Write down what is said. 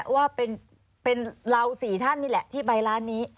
ว่าเป็นเรา๔ท่านนี่แหละที่ไปร้านนี้